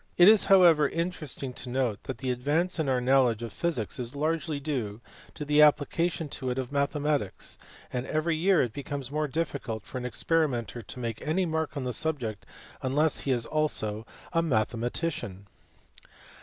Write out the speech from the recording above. It is however interesting to note that the advance in our knowledge of physics is largely due to the application to it of mathematics, and every year it becomes more difficult for an experimenter to make any mark in the subject unless he is also a mathematician.